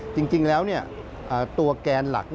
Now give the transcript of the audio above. จริงแล้วตัวแกนหลัก